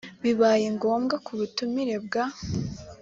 bibaye ngombwa ku butumire bwa